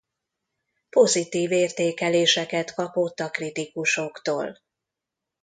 Pozitív értékeléseket kapott a kritikusoktól.